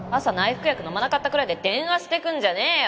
服薬飲まなかったくらいで電話してくるんじゃねえよ。